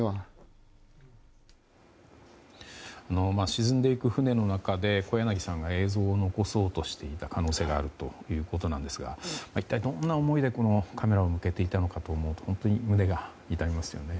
沈んでいく船の中で小柳さんが映像を残そうとしていた可能性があるということですが一体、どんな思いでカメラを向けていたのかと思うと本当に胸が痛みますよね。